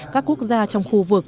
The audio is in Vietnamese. các quốc gia trong khu vực